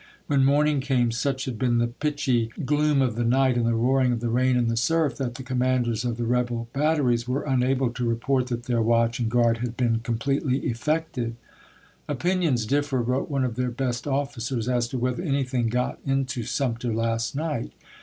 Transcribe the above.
When morning came, such had been the pitchy gloom of the night and the roaring of the rain and the surf, that the commanders of the rebel batteries were unable to report that their watch and guard had been com pletely effective. "Opinions differ," wrote one of their best officers, "as to whether anything got 56 ABRAHAM LINCOLN CHAP.m. into Sumter last night.